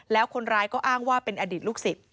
แล้วคนร้ายก็อ้างว่าเป็นอดีตลูกศิษย์